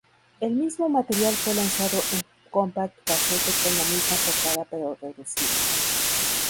El mismo material fue lanzado en compact cassette con la misma portada pero reducida.